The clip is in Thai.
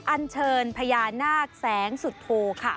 อันเชิญพญานาคแสงสุโธค่ะ